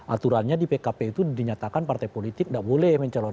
aturannya di pkp itu dinyatakan partai politik tidak boleh mencalonkan